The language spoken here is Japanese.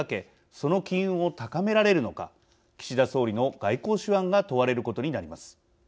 その機運を高められるのか岸田総理の外交手腕が問われることになります。